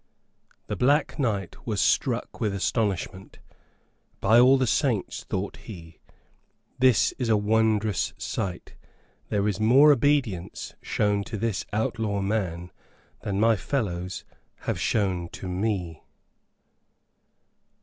The Black Knight was struck with astonishment. "By all the saints," thought he, "this is a wondrous sight. There is more obedience shown to this outlaw man than my fellows have shown to me."